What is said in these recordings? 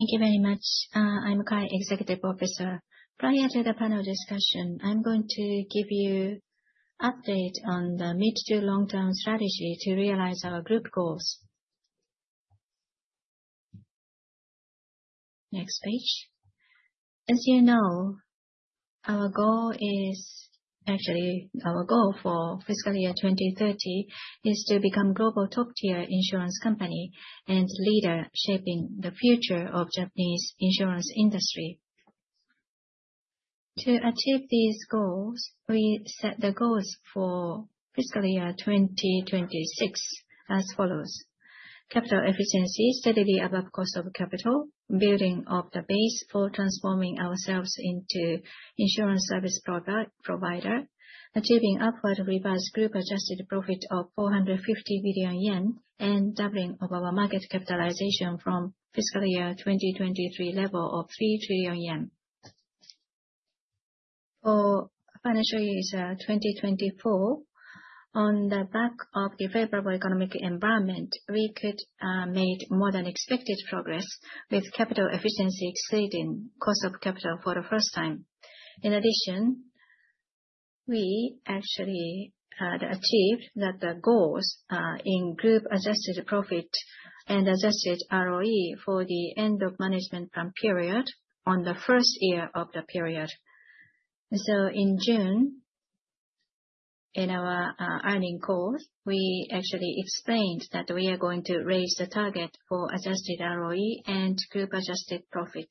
Thank you very much. I'm Kai, Executive Officer. Prior to the panel discussion, I'm going to give you update on the mid-to-long-term strategy to realize our Group goals. Next page. As you know, our goal for fiscal year 2030 is to become global top-tier insurance company and leader shaping the future of Japanese insurance industry. To achieve these goals, we set the goals for fiscal year 2026 as follows. Capital efficiency steadily above cost of capital, building up the base for transforming ourselves into insurance service provider, achieving upward revised Group adjusted profit of 450 billion yen, and doubling of our market capitalization from fiscal year 2023 level of 3 trillion yen. For financial year 2024, on the back of the favorable economic environment, we made more than expected progress with capital efficiency exceeding cost of capital for the first time. We actually had achieved the goals in Group adjusted profit and Adjusted ROE for the end of management plan period on the first year of the period. In June, in our earning call, we actually explained that we are going to raise the target for Adjusted ROE and Group adjusted profit.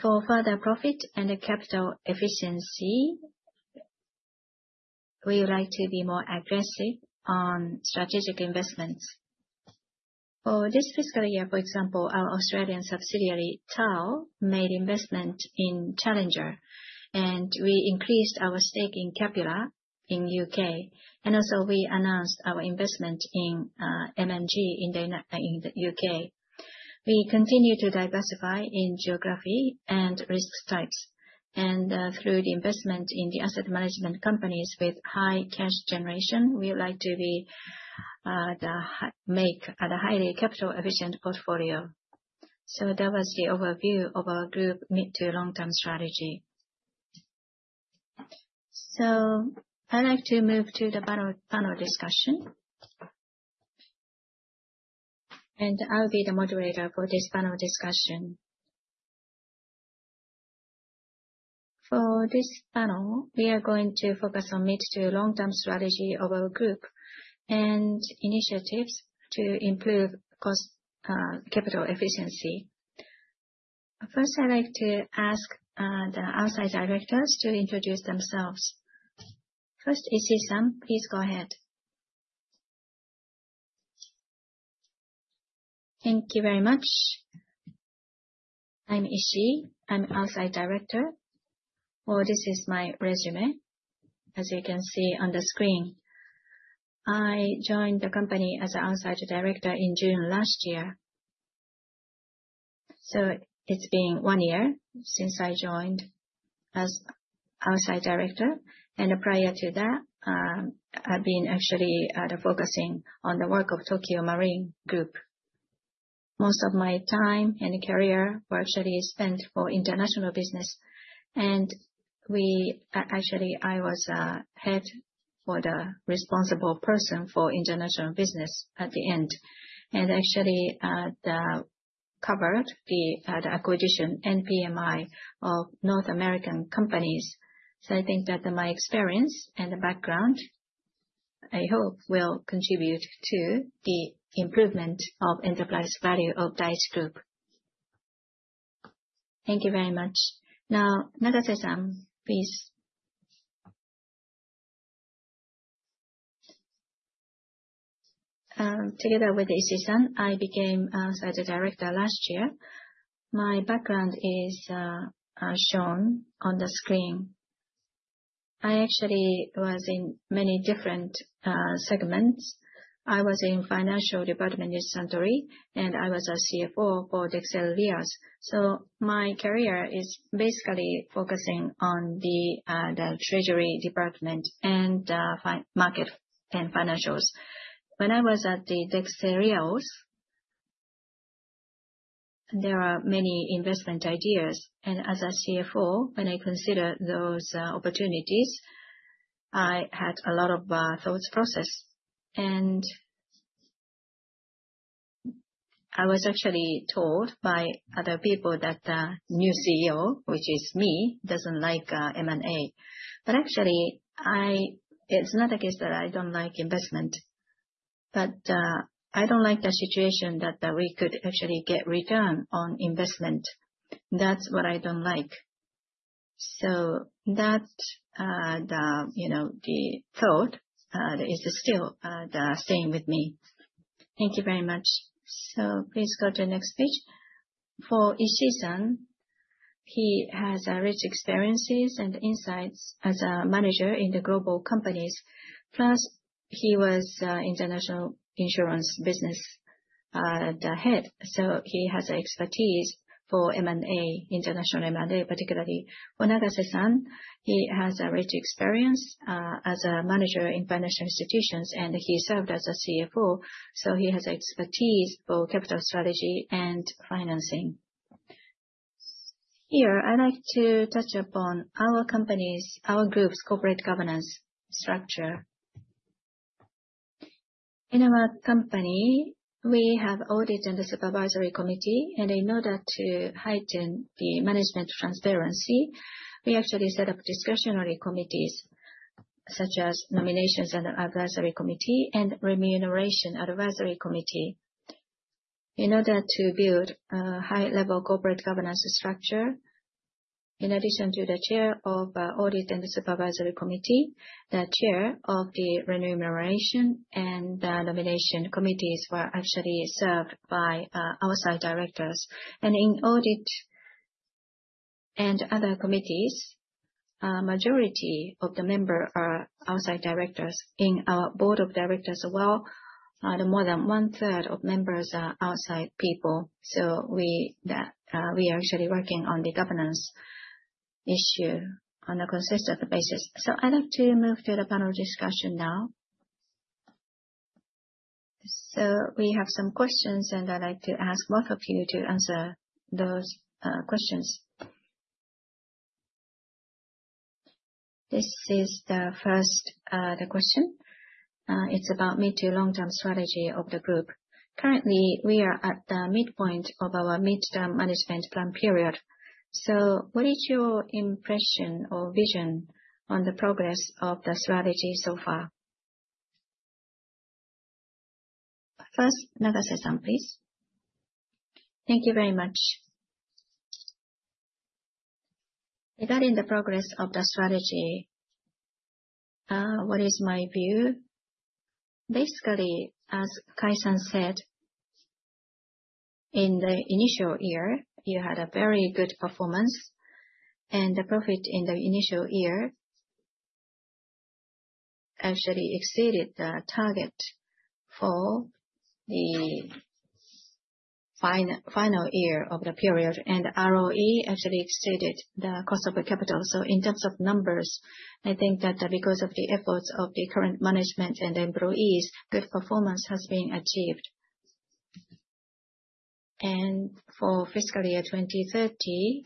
For further profit and capital efficiency, we would like to be more aggressive on strategic investments. For this fiscal year, for example, our Australian subsidiary, TAL, made investment in Challenger, and we increased our stake in Capula in the U.K., and also we announced our investment in M&G in the U.K. We continue to diversify in geography and risk types, and through the investment in the asset management companies with high cash generation, we would like to make a highly capital efficient portfolio. That was the overview of our Group mid-to-long-term strategy. I'd like to move to the panel discussion. I'll be the moderator for this panel discussion. For this panel, we are going to focus on mid-to-long-term strategy of our Group and initiatives to improve cost, capital efficiency. First, I'd like to ask the Outside Directors to introduce themselves. First, Ishii-san, please go ahead. Thank you very much. I'm Ishii, I'm Outside Director. This is my resume. As you can see on the screen, I joined the company as an Outside Director in June last year. So it's been one year since I joined as Outside Director, and prior to that, I've been actually focusing on the work of Tokio Marine Group. Most of my time and career were actually spent for international business. I was head for the responsible person for international business at the end. Actually, covered the acquisition and PMI of North American companies. I think that my experience and the background, I hope, will contribute to the improvement of enterprise value of Dai-ichi Group. Thank you very much. Now, Nagase-san, please. Together with Ishii-san, I became Outside Director last year. My background is shown on the screen. I actually was in many different segments. I was in financial department in Suntory, and I was a CFO for Dexia Reos. My career is basically focusing on the treasury department and market and financials. When I was at the Dexia Reos, there are many investment ideas, and as a CFO, when I consider those opportunities, I had a lot of thought process. I was actually told by other people that the new CEO, which is me, doesn't like M&A. Actually, it's not a case that I don't like investment. I don't like the situation that we could actually get return on investment. That's what I don't like. That, the thought is still the same with me. Thank you very much. Please go to the next page. For Ishii-san, he has rich experiences and insights as a manager in the global companies. Plus, he was international insurance business the head. He has expertise for M&A, international M&A particularly. For Nagase-san, he has a rich experience as a manager in financial institutions, and he served as a CFO, he has expertise for capital strategy and financing. Here, I'd like to touch upon our company's, our group's corporate governance structure. In our company, we have Audit and Supervisory Committee, in order to heighten the management transparency, we actually set up advisory committees such as Nominations Advisory Committee and Remuneration Advisory Committee. In order to build a high-level corporate governance structure, in addition to the chair of Audit and Supervisory Committee, the chair of the Remuneration and Nomination Committees were actually served by outside directors. In audit and other committees, majority of the member are outside directors. In our Board of Directors as well, more than one-third of members are outside people. We are actually working on the governance issue on a consistent basis. I'd like to move to the panel discussion now. We have some questions, and I'd like to ask both of you to answer those questions. This is the first question. It's about mid to long-term strategy of the group. Currently, we are at the midpoint of our midterm management plan period. What is your impression or vision on the progress of the strategy so far? First, Nagase-san, please. Thank you very much. Regarding the progress of the strategy, what is my view? Basically, as Kai-san said, in the initial year, you had a very good performance, the profit in the initial year actually exceeded the target for the final year of the period, ROE actually exceeded the cost of the capital. In terms of numbers, I think that because of the efforts of the current management and the employees, good performance has been achieved. For fiscal year 2030,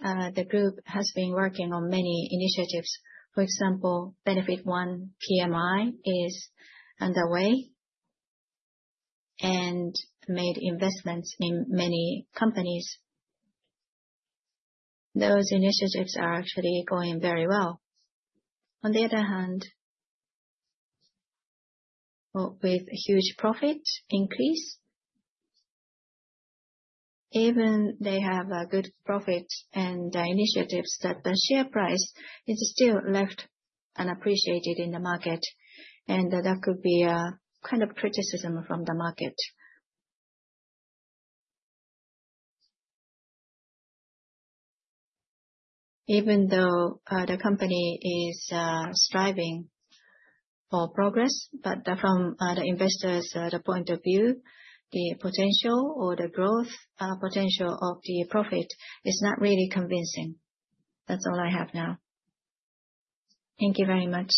the group has been working on many initiatives. For example, Benefit One PMI is underway and made investments in many companies. Those initiatives are actually going very well. On the other hand, with huge profit increase, even they have good profits and initiatives that the share price is still left unappreciated in the market. That could be a kind of criticism from the market. Even though the company is striving for progress, but from the investors' point of view, the potential or the growth potential of the profit is not really convincing. That's all I have now. Thank you very much.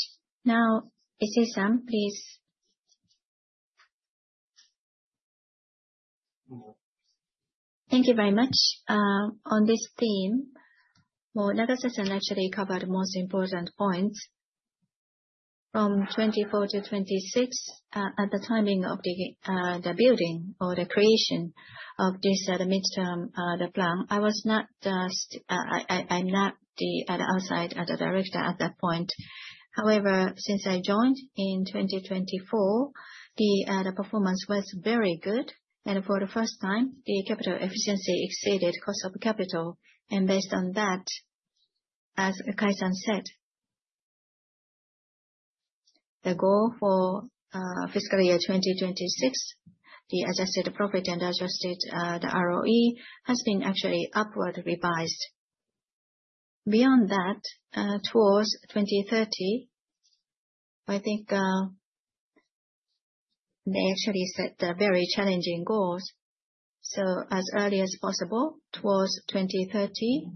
Ishii-san, please. Thank you very much. On this theme, well, Nagase-san actually covered most important points. From 2024 to 2026, at the timing of the building or the creation of this midterm plan, I was not the outside director at that point. However, since I joined in 2024, the performance was very good. For the first time, the capital efficiency exceeded cost of capital. Based on that, as Kai said, the goal for FY 2026, the Group adjusted profit and Adjusted ROE, has been actually upward revised. Beyond that, towards 2030, I think they actually set their very challenging goals. As early as possible, towards 2030,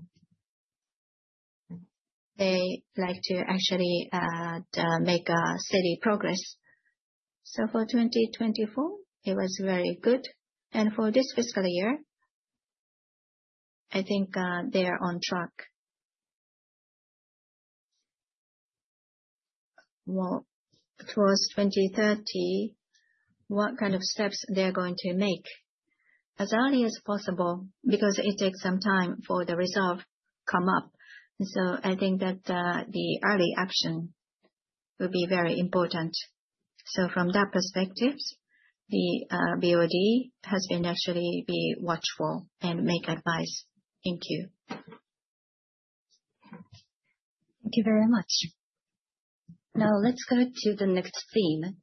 they like to actually make a steady progress. For 2024, it was very good. For this fiscal year, I think they are on track. Well, towards 2030, what kind of steps they're going to make as early as possible because it takes some time for the result come up. I think that the early action will be very important. From that perspective, the BOD has been actually be watchful and make advice. Thank you. Thank you very much. Let's go to the next theme.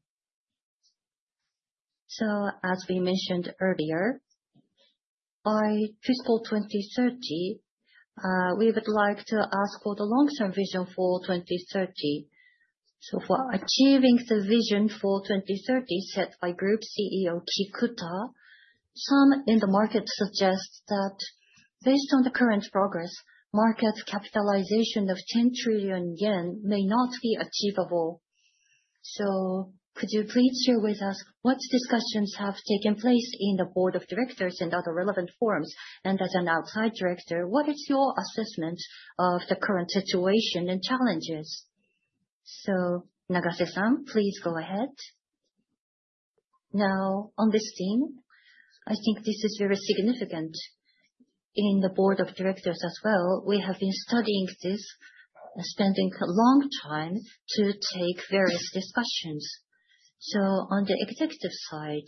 As we mentioned earlier By FY 2030, we would like to ask for the long-term vision for 2030. For achieving the vision for 2030 set by Group CEO Kikuta, some in the market suggest that based on the current progress, market capitalization of 10 trillion yen may not be achievable. Could you please share with us what discussions have taken place in the board of directors and other relevant forums? As an Outside Director, what is your assessment of the current situation and challenges? Nagase, please go ahead. On this theme, I think this is very significant in the board of directors as well. We have been studying this and spending a long time to take various discussions. On the executive side,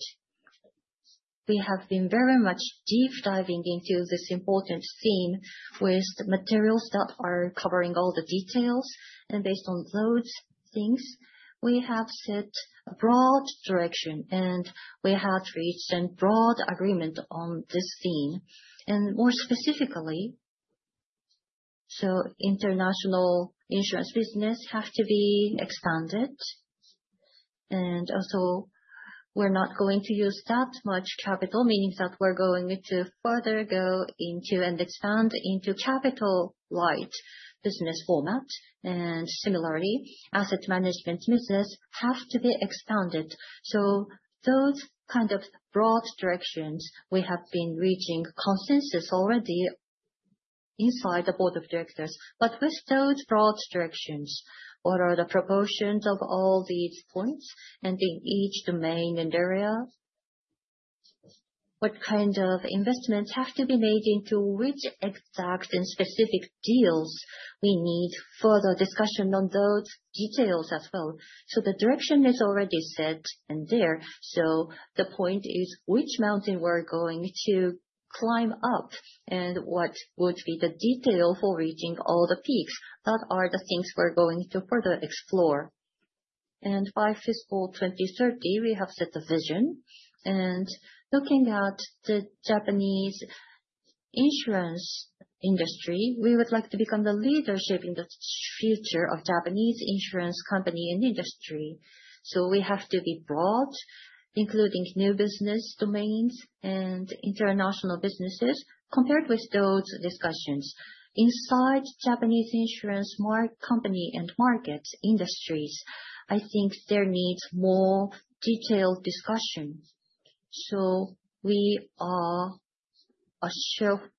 we have been very much deep diving into this important theme with materials that are covering all the details. Based on those things, we have set a broad direction, and we have reached a broad agreement on this theme. More specifically, international insurance business has to be expanded. Also, we're not going to use that much capital, meaning that we're going to further go into and expand into capital-light business format. Similarly, asset management business has to be expanded. Those kind of broad directions, we have been reaching consensus already inside the board of directors. With those broad directions, what are the proportions of all these points and in each domain and area? What kind of investments have to be made into which exact and specific deals? We need further discussion on those details as well. The direction is already set and there, the point is which mountain we're going to climb up and what would be the detail for reaching all the peaks. That are the things we're going to further explore. By fiscal 2030, we have set the vision. Looking at the Japanese insurance industry, we would like to become the leadership in the future of Japanese insurance company and industry. We have to be broad, including new business domains and international businesses. Compared with those discussions, inside Japanese insurance company and market industries, I think there needs more detailed discussions. We are a shareholder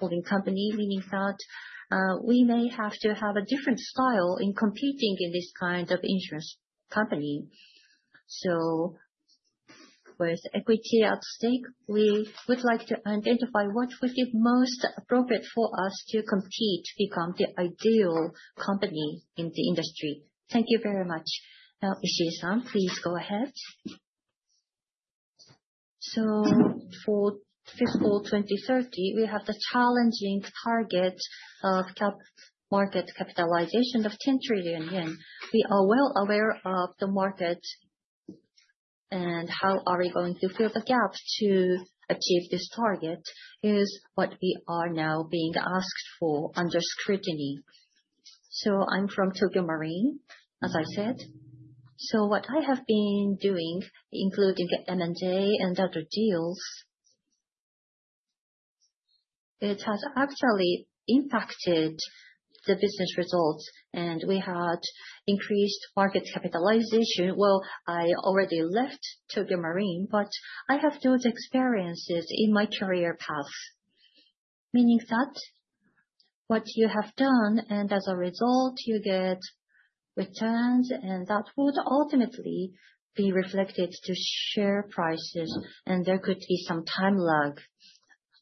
holding company, meaning that we may have to have a different style in competing in this kind of insurance company. With equity at stake, we would like to identify what would be most appropriate for us to compete to become the ideal company in the industry. Thank you very much. Now, Ishii-san, please go ahead. For fiscal 2030, we have the challenging target of cap market capitalization of 10 trillion yen. We are well aware of the market, and how are we going to fill the gaps to achieve this target is what we are now being asked for under scrutiny. I'm from Tokio Marine, as I said. What I have been doing, including the M&A and other deals, it has actually impacted the business results, and we had increased market capitalization. Well, I already left Tokio Marine, but I have those experiences in my career path, meaning that what you have done, and as a result you get returns, and that would ultimately be reflected to share prices, and there could be some time lag.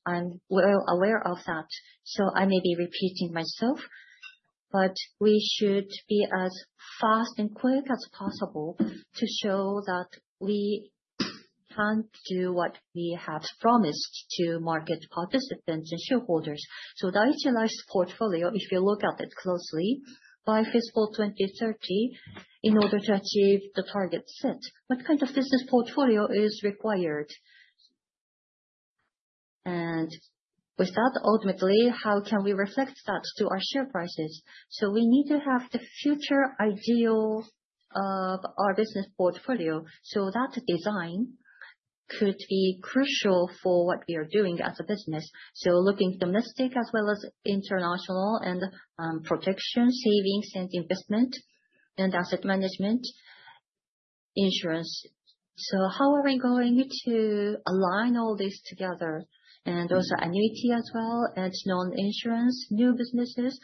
I'm well aware of that. I may be repeating myself, but we should be as fast and quick as possible to show that we can do what we have promised to market participants and shareholders. Daiichi Life's portfolio, if you look at it closely, by fiscal 2030, in order to achieve the target set, what kind of business portfolio is required? With that, ultimately, how can we reflect that to our share prices? We need to have the future ideal of our business portfolio so that design could be crucial for what we are doing as a business. Looking domestic as well as international and protection, savings, and investment and asset management insurance. How are we going to align all this together? Also annuity as well as non-insurance new businesses.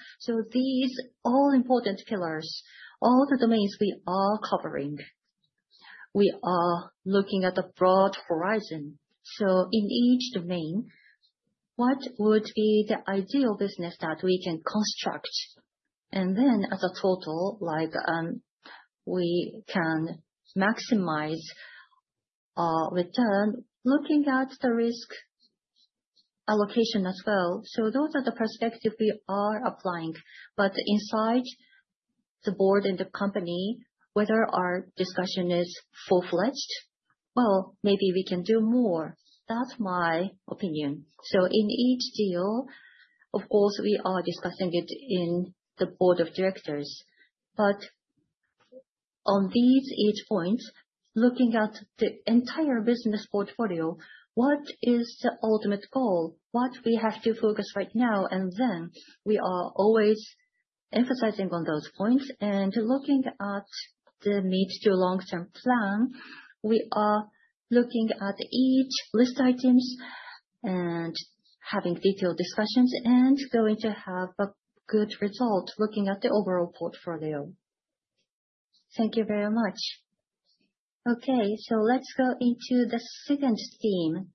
These all-important pillars, all the domains we are covering. We are looking at the broad horizon. In each domain, what would be the ideal business that we can construct? Then as a total, we can maximize our return looking at the risk allocation as well. Those are the perspective we are applying. Inside the board and the company, whether our discussion is full-fledged, well, maybe we can do more. That's my opinion. In each deal, of course, we are discussing it in the board of directors. On these eight points, looking at the entire business portfolio, what is the ultimate goal? What we have to focus right now and then. We are always emphasizing on those points and looking at the mid-to-long-term plan. We are looking at each list items and having detailed discussions and going to have a good result looking at the overall portfolio. Thank you very much. Okay. Let's go into the second theme.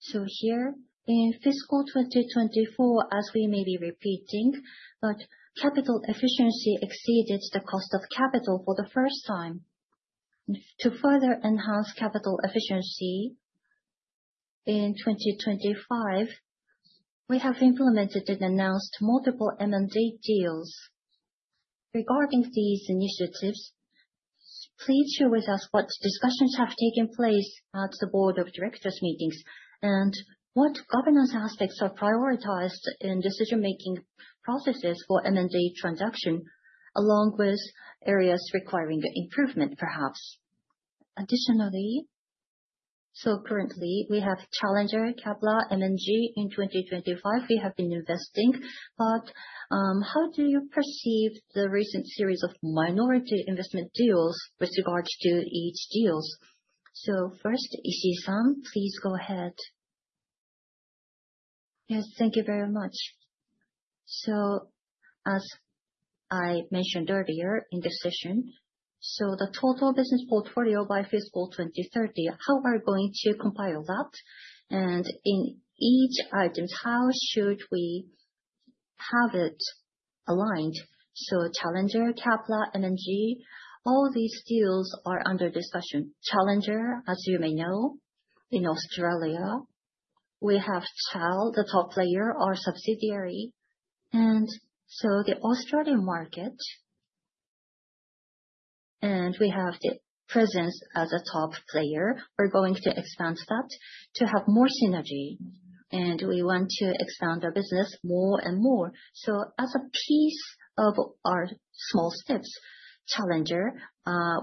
Here in fiscal 2024, as we may be repeating, but capital efficiency exceeded the cost of capital for the first time. To further enhance capital efficiency in 2025, we have implemented and announced multiple M&A deals. Regarding these initiatives, please share with us what discussions have taken place at the Board of Directors meetings and what governance aspects are prioritized in decision-making processes for M&A transaction, along with areas requiring improvement, perhaps. Additionally, currently we have Challenger, Capula, and M&G in 2025. We have been investing, how do you perceive the recent series of minority investment deals with regards to each deals? First, Ishii-san, please go ahead. Yes, thank you very much. As I mentioned earlier in the session, the total business portfolio by fiscal 2030, how are we going to compile that? In each item, how should we have it aligned? Challenger, Capula, M&G, all these deals are under discussion. Challenger, as you may know, in Australia, we have TAL, the top player, our subsidiary. The Australian market, and we have the presence as a top player. We are going to expand that to have more synergy, and we want to expand our business more and more. As a piece of our small steps, Challenger,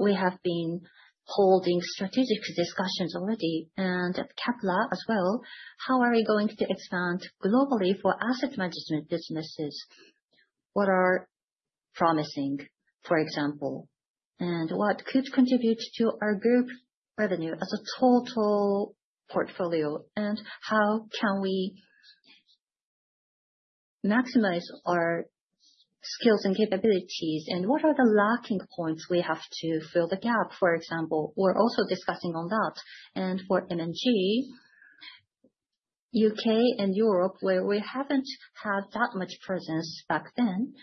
we have been holding strategic discussions already. Capula as well, how are we going to expand globally for asset management businesses? What are promising, for example, and what could contribute to our group revenue as a total portfolio? And how can we maximize our skills and capabilities, and what are the lacking points we have to fill the gap, for example? We are also discussing on that. For M&G, U.K. and Europe, where we have not had that much presence back then,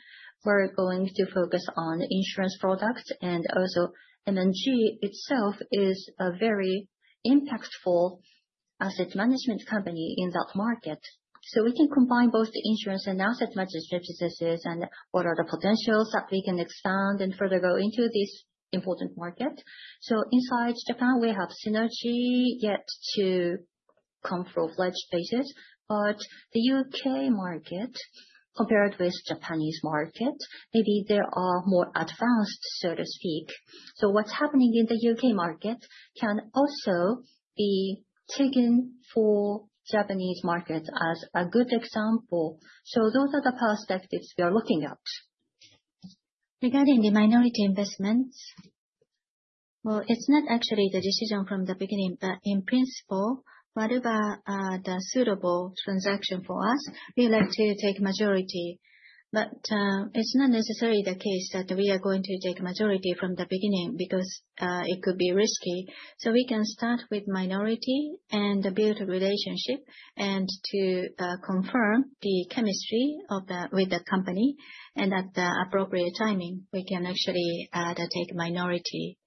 we are going to focus on insurance products. Also M&G itself is a very impactful asset management company in that market. We can combine both the insurance and asset management businesses and what are the potentials that we can expand and further go into this important market. Inside Japan, we have synergy yet to come full-fledged status. The U.K. market, compared with Japanese market, maybe they are more advanced, so to speak. What is happening in the U.K. market can also be taken for Japanese market as a good example. Those are the perspectives we are looking at. Regarding the minority investments, well, it is not actually the decision from the beginning. In principle, whatever the suitable transaction for us, we like to take majority. It is not necessarily the case that we are going to take majority from the beginning because it could be risky. We can start with minority and build a relationship and to confirm the chemistry with the company, and at the appropriate timing, we can actually take minority.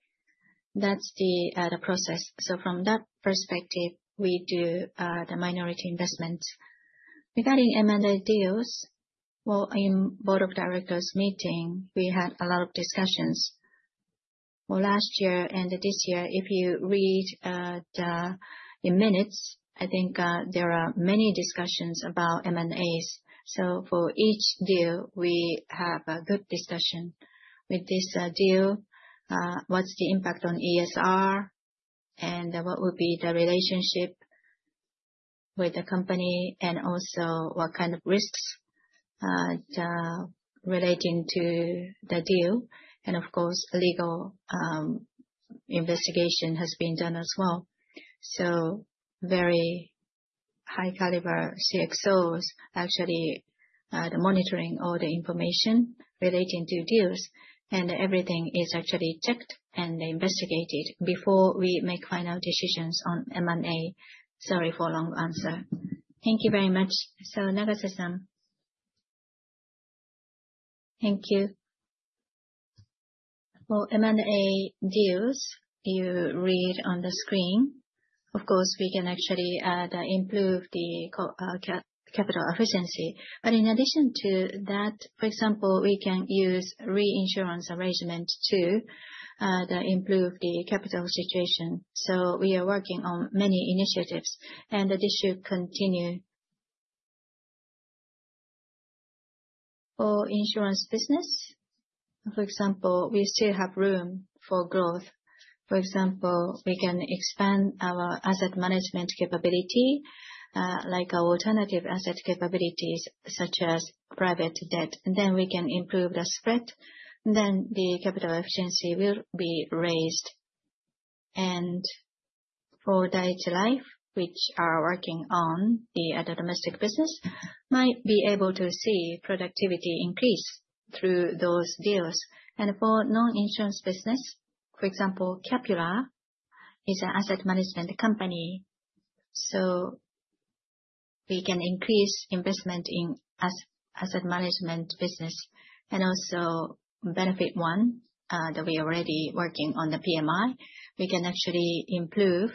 That is the process. From that perspective, we do the minority investment. Regarding M&A deals, well, in Board of Directors meeting, we had a lot of discussions. Last year and this year, if you read the minutes, I think there are many discussions about M&As. For each deal, we have a good discussion. With this deal, what's the impact on ESR and what will be the relationship with the company, and also what kind of risks relating to the deal? Of course, legal investigation has been done as well. Very high caliber CxOs actually are monitoring all the information relating to deals, and everything is actually checked and investigated before we make final decisions on M&A. Sorry for long answer. Thank you very much. Nagase-san Thank you. For M&A deals you read on the screen, of course, we can actually improve the capital efficiency. In addition to that, for example, we can use reinsurance arrangement to improve the capital situation. We are working on many initiatives, and this should continue. For insurance business, for example, we still have room for growth. For example, we can expand our asset management capability, like our alternative asset capabilities such as private debt, then we can improve the spread, then the capital efficiency will be raised. For Daiichi Life, which are working on the domestic business, might be able to see productivity increase through those deals. For non-insurance business, for example, Capula is an asset management company, so we can increase investment in asset management business. Also Benefit One, that we already working on the PMI, we can actually improve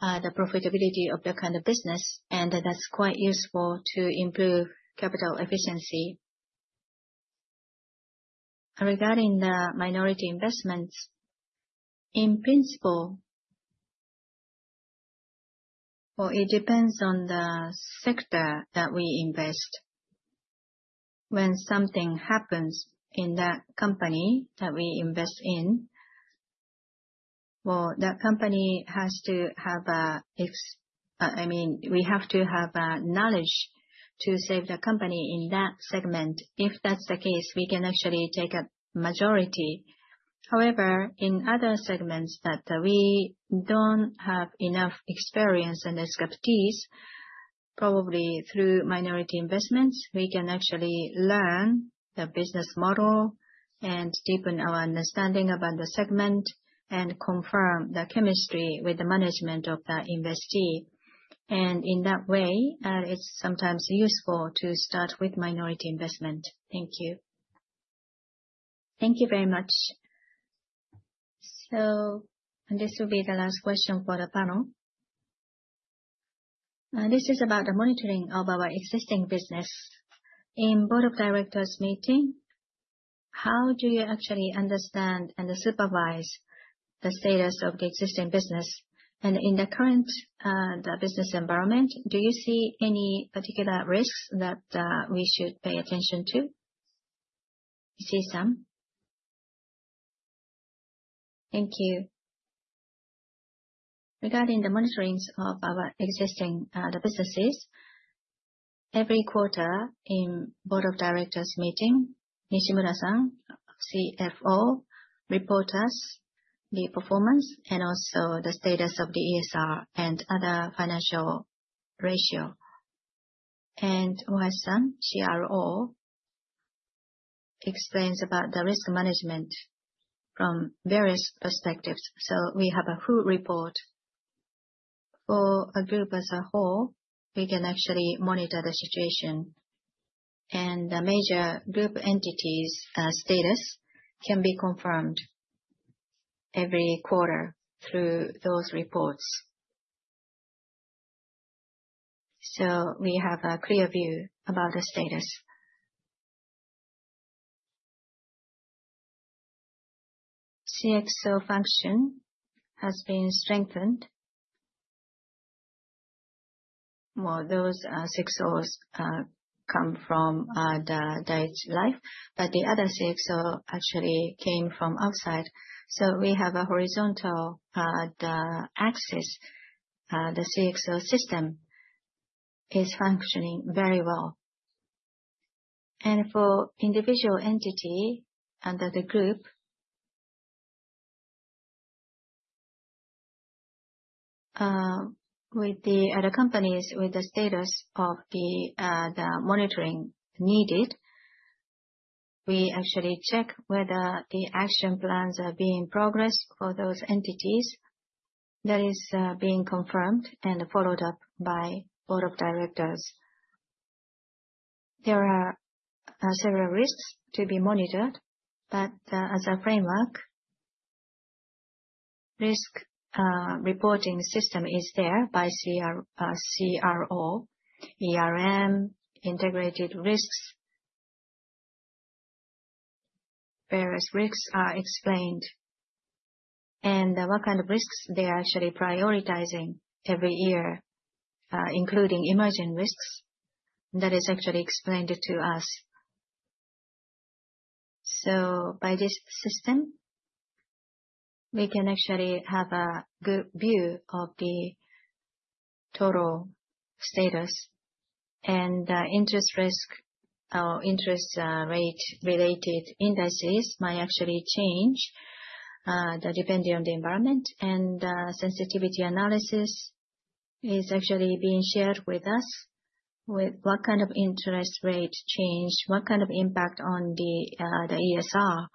the profitability of that kind of business, and that's quite useful to improve capital efficiency. Regarding the minority investments, in principle, it depends on the sector that we invest. When something happens in that company that we invest in, we have to have knowledge to save the company in that segment. If that's the case, we can actually take a majority. However, in other segments that we don't have enough experience and expertise, probably through minority investments, we can actually learn the business model and deepen our understanding about the segment and confirm the chemistry with the management of the investee. In that way, it's sometimes useful to start with minority investment. Thank you. Thank you very much. This will be the last question for the panel. This is about the monitoring of our existing business. In Board of Directors meeting, how do you actually understand and supervise the status of the existing business? In the current business environment, do you see any particular risks that we should pay attention to? You see some? Thank you. Regarding the monitorings of our existing businesses, every quarter in Board of Directors meeting, Nishimura-san, CFO, report us the performance and also the status of the ESR and other financial ratio. Ohashi-san, CRO, explains about the risk management from various perspectives. We have a full report. For a group as a whole, we can actually monitor the situation, and the major group entities status can be confirmed every quarter through those reports. We have a clear view about the status. CxO function has been strengthened. Well, those CxOs come from The Dai-ichi Life, the other CxO actually came from outside. We have a horizontal axis. The CxO system is functioning very well. For individual entity under the group, with the other companies with the status of the monitoring needed, we actually check whether the action plans are being progressed for those entities. That is being confirmed and followed up by Board of Directors. There are several risks to be monitored, as a framework, risk reporting system is there by CRO, ERM, integrated risks. Various risks are explained, what kind of risks they are actually prioritizing every year, including emerging risks, that is actually explained to us. By this system, we can actually have a good view of the total status interest risk or interest rate related indices might actually change, depending on the environment. Sensitivity analysis is actually being shared with us, with what kind of interest rate change, what kind of impact on the ESR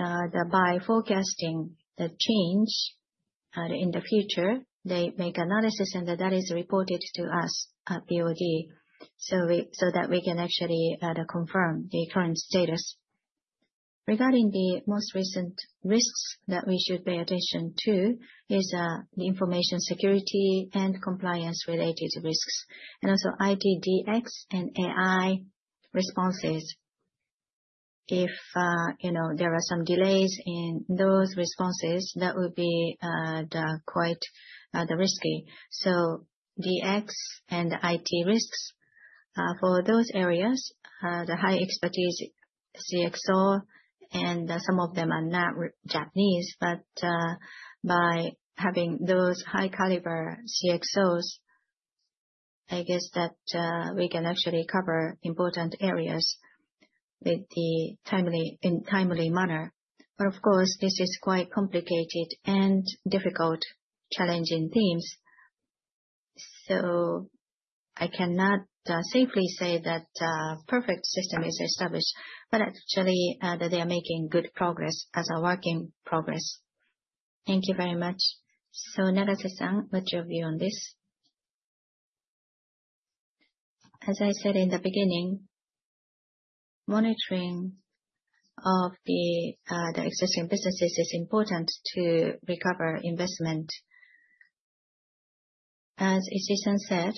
Well, by forecasting the change in the future, they make analysis, that is reported to us at BOD so that we can actually confirm the current status. Regarding the most recent risks that we should pay attention to is the information security and compliance related risks, also IT, DX, and AI responses. If there are some delays in those responses, that would be quite risky. DX and IT risks, for those areas, the high expertise CXO and some of them are not Japanese, by having those high caliber CXOs, I guess that we can actually cover important areas in timely manner. Of course, this is quite complicated and difficult challenging themes. I cannot safely say that a perfect system is established, actually, that they are making good progress as a work in progress. Thank you very much. Nagase-san, what's your view on this? As I said in the beginning, monitoring of the existing businesses is important to recover investment. As Ishii-san said,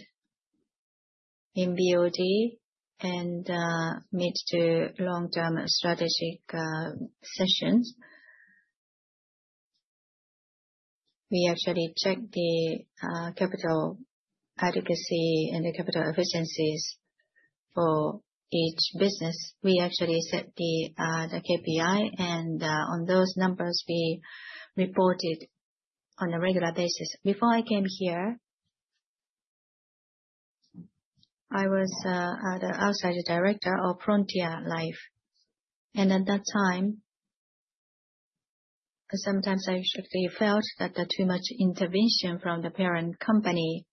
in BOD and mid to long-term strategic sessions, we actually check the capital adequacy and the capital efficiencies for each business. We actually set the KPI, on those numbers, we reported on a regular basis. Before I came here, I was an outside director of Dai-ichi Frontier Life, at that time, sometimes I strictly felt that there was too much intervention from the parent company.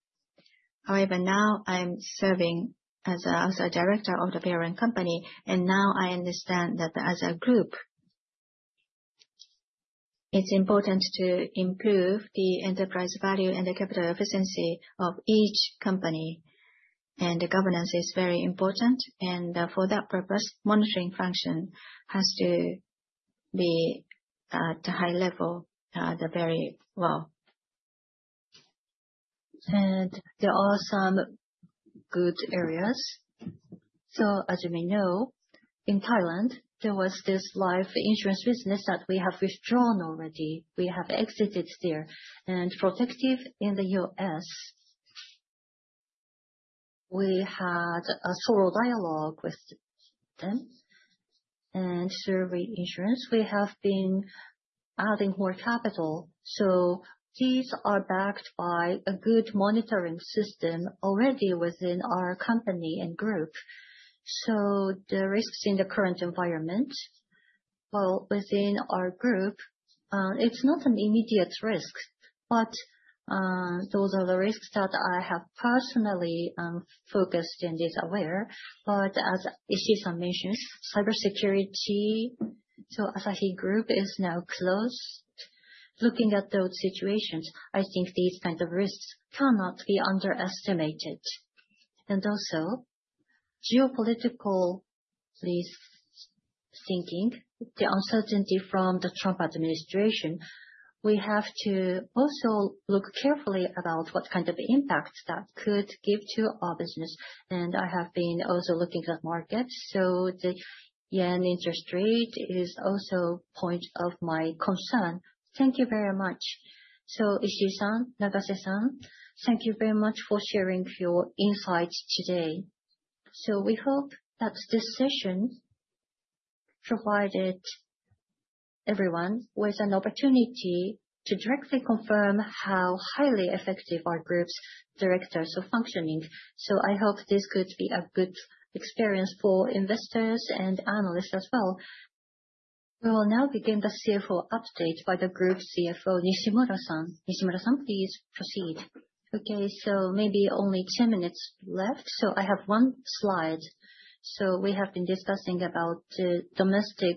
However, now I'm serving as a director of the parent company, now I understand that as a group, it's important to improve the enterprise value and the capital efficiency of each company, governance is very important. For that purpose, monitoring function has to be at a high level. Very well. There are some good areas. As you may know, in Thailand, there was this life insurance business that we have withdrawn already. We have exited there. Protective in the U.S., we had a thorough dialogue with them. Through reinsurance, we have been adding more capital. These are backed by a good monitoring system already within our company and group. The risks in the current environment, well, within our group, it's not an immediate risk, but those are the risks that I have personally focused and am aware. As Ishii-san mentioned, cybersecurity. Asahi Group is now close. Looking at those situations, I think these kinds of risks cannot be underestimated. Geopolitical risk thinking, the uncertainty from the Trump administration. We have to also look carefully about what kind of impact that could give to our business. I have been also looking at markets, the JPY interest rate is also a point of my concern. Thank you very much. Ishii-san, Nagase-san, thank you very much for sharing your insights today. We hope that this session provided everyone with an opportunity to directly confirm how highly effective our group's directors are functioning. I hope this could be a good experience for investors and analysts as well. We will now begin the CFO update by the Group CFO, Nishimura-san. Nishimura-san, please proceed. Maybe only 10 minutes left. I have one slide. We have been discussing about domestic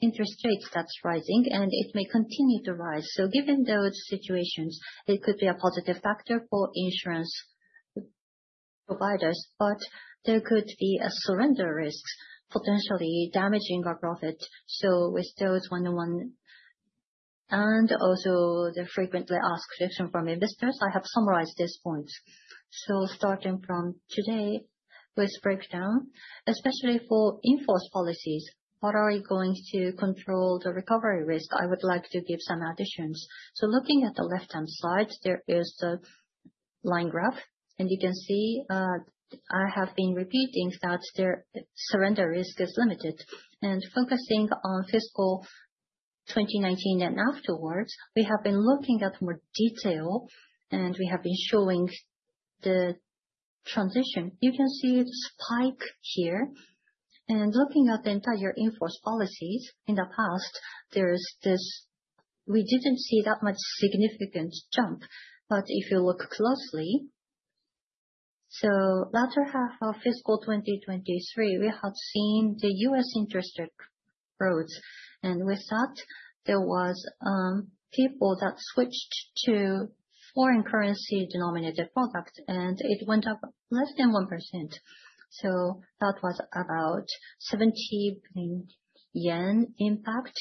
interest rates that are rising, and it may continue to rise. Given those situations, it could be a positive factor for insurance providers, but there could be surrender risks, potentially damaging our profit. With those one-on-one, and also the frequently asked question from investors, I have summarized these points. Starting from today with breakdown, especially for in-force policies, what are we going to control the recovery risk? I would like to give some additions. Looking at the left-hand side, there is a line graph, and you can see I have been repeating that their surrender risk is limited. Focusing on fiscal 2019 and afterwards, we have been looking at more detail, and we have been showing the transition. You can see the spike here. Looking at the entire in-force policies in the past, we didn't see that much significant jump. If you look closely latter half of fiscal 2023, we have seen the U.S. interest rates rose. With that, there were people that switched to foreign currency denominated product, it went up less than 1%. That was about 70 billion yen impact.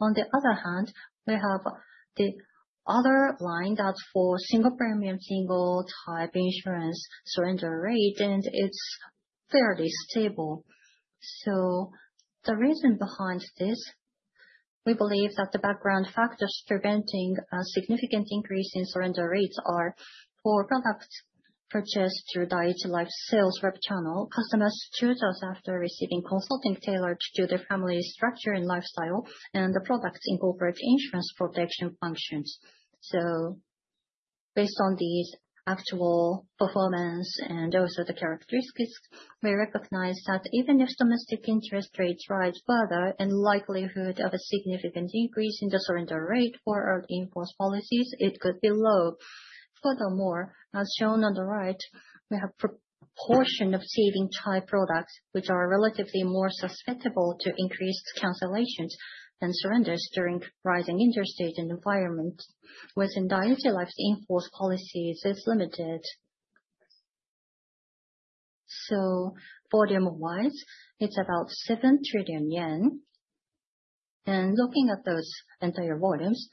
On the other hand, we have the other line that is for single premium, single type insurance surrender rate, it is fairly stable. The reason behind this, we believe that the background factors preventing a significant increase in surrender rates are for products purchased through Daiichi Life sales rep channel. Customers choose us after receiving consulting tailored to their family's structure and lifestyle, and the products incorporate insurance protection functions. Based on these actual performance and also the characteristics, we recognize that even if domestic interest rates rise further and the likelihood of a significant increase in the surrender rate for our in-force policies, it could be low. Furthermore, as shown on the right, we have proportion of saving type products which are relatively more susceptible to increased cancellations and surrenders during rising interest rate environment within Daiichi Life's in-force policies is limited. Volume wise, it is about 7 trillion yen. Looking at those entire volumes,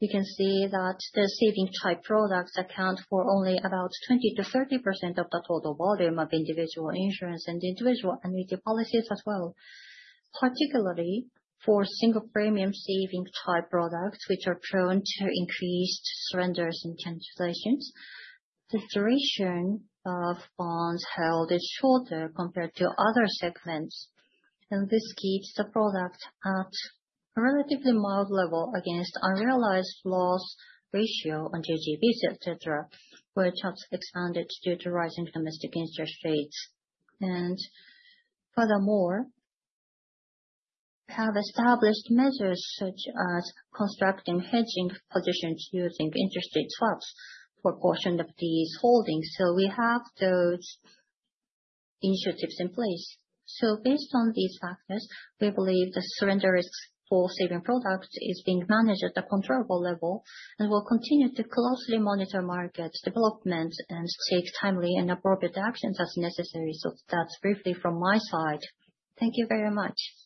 we can see that the saving type products account for only about 20%-30% of the total volume of individual insurance and individual annuity policies as well. Particularly for single premium saving type products, which are prone to increased surrenders and cancellations. The duration of bonds held is shorter compared to other segments, and this keeps the product at a relatively mild level against unrealized loss ratio on JGBs, et cetera, which has expanded due to rising domestic interest rates. Furthermore, we have established measures such as constructing hedging positions using interest rate swaps for a portion of these holdings. We have those initiatives in place. Based on these factors, we believe the surrender risk for saving products is being managed at a controllable level and will continue to closely monitor market development and take timely and appropriate actions as necessary. That is briefly from my side. Thank you very much.